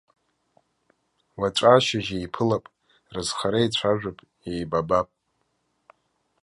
Уаҵәы ашьыжь еиԥылап, рызхара еицәажәап, еибабап.